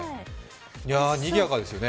にぎやかですね。